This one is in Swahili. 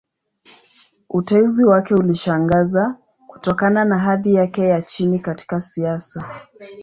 Uteuzi wake ulishangaza, kutokana na hadhi yake ya chini katika siasa.